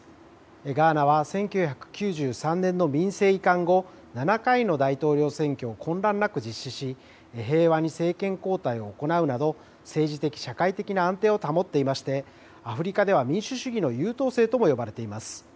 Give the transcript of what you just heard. ガーナは１９９３年の民政移管後、７回の大統領選挙を混乱なく実施し、平和に政権交代を行うなど、政治的、社会的な安定を保っていまして、アフリカでは民主主義の優等生とも呼ばれています。